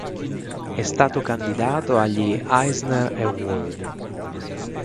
È stato candidato agli Eisner Award.